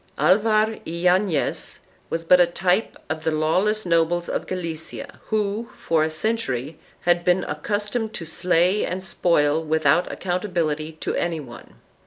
Alvar Yanez was but a type of the law * less nobles of Galicia who, for a century, had been accustomed to slay and spoil without accountability to any one.